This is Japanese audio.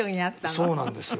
そうなんですよ。